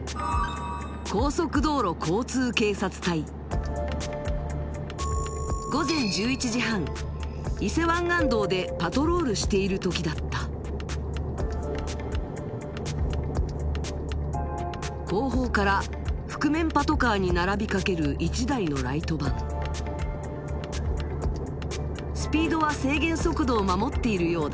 高速道路交通警察隊午前１１時半伊勢湾岸道でパトロールしている時だった後方から覆面パトカーに並びかける１台のライトバンスピードは制限速度を守っているようだ